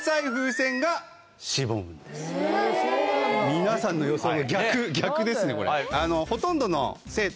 皆さんの予想の逆逆ですねこれ。